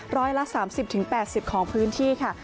ร้อยละ๓๐๘๐ของพื้นที่ค่ะ